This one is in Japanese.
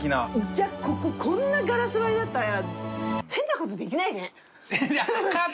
じゃあこここんなガラス張りだったらちょっと変な事さ。